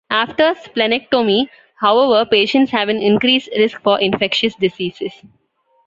After splenectomy, however, patients have an increased risk for infectious diseases.